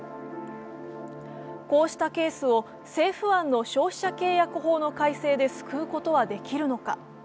こうしたケースを政府案の消費者契約法の改正で救うことはできるのか。